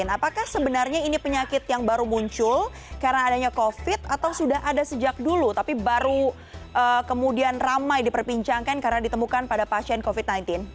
apakah sebenarnya ini penyakit yang baru muncul karena adanya covid atau sudah ada sejak dulu tapi baru kemudian ramai diperbincangkan karena ditemukan pada pasien covid sembilan belas